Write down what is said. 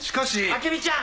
明美ちゃん！